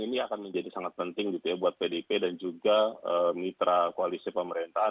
memang ini akan menjadi sangat penting buat pdip dan juga mitra koalisi pemerintahan